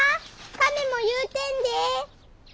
カメも言うてんで！